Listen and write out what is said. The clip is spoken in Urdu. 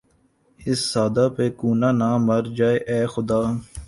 اس سادہ پہ کونہ نہ مر جائے اے خدا